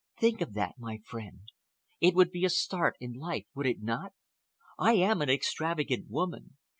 Think of that, my friend. It would be a start in life, would it not? I am an extravagant woman.